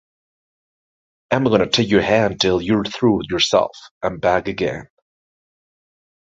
I'm gonna take your hand 'til you're through yourself and back again.